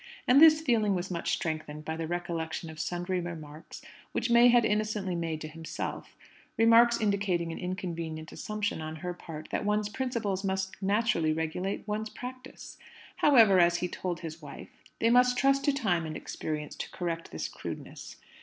And this feeling was much strengthened by the recollection of sundry remarks which May had innocently made to himself remarks indicating an inconvenient assumption on her part that one's principles must naturally regulate one's practice. However, as he told his wife, they must trust to time and experience to correct this crudeness.